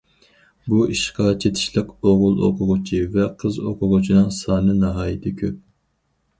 بۇ ئىشقا چېتىشلىق ئوغۇل ئوقۇغۇچى ۋە قىز ئوقۇغۇچىنىڭ سانى ناھايىتى كۆپ.